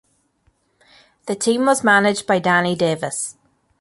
The team was managed by Danny Davis.